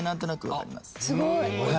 すごい。